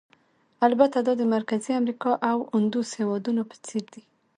البته دا د مرکزي امریکا او اندوس هېوادونو په څېر دي.